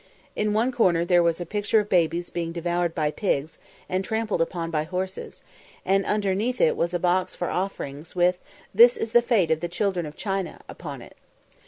In one corner there was a picture of babies being devoured by pigs, and trampled upon by horses, and underneath it was a box for offerings, with "This is the fate of the children of China" upon it.